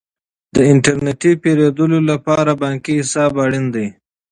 د انټرنیټي پیرودلو لپاره بانکي حساب اړین دی.